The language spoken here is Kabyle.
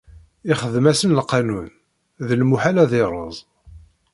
Ixdem-asen lqanun, d lmuḥal ad irreẓ.